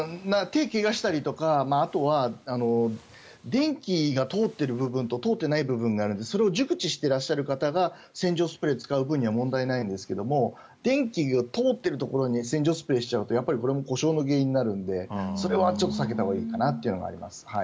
手を怪我したりとかあとは電気が通ってる部分と通ってない部分があってそれを熟知していらっしゃる方が洗浄スプレーを使うのは問題ないんですけど電気が通っているところに洗浄スプレーをしちゃうとやっぱり故障の原因になるのでそれは避けたほうがいいかなと思います。